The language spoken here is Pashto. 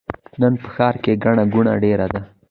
نن په ښار کې ګڼه ګوڼه ډېره ده.